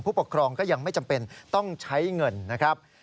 ผู้ปกครองก็ยังไม่จำเป็นต้องใช้เงินนะครับ